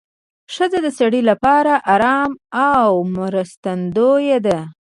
ښځه د سړي لپاره اړم او مرستندویه ده